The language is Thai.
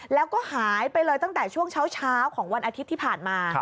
แล้วก็หายไปเลยตั้งแต่ช่วงเช้าของวันอาทิตย์ที่ผ่านมา